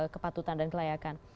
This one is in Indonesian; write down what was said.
kepatutan dan kelayakan